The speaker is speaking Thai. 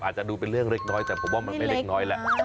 อาจจะดูเป็นเรื่องเล็กน้อยแต่ผมว่ามันไม่เล็กน้อยแหละ